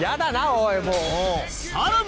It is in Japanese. おいもう。